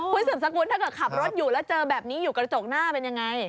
คุณสืบสกุลถ้าเกิดขับรถอยู่แล้วเจอแบบนี้อยู่กระจกหน้าเป็นยังไง